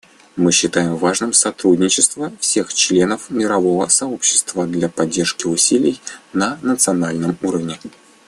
Мы считаем важным сотрудничество всех членов мирового сообщества для поддержки усилий на национальном уровне.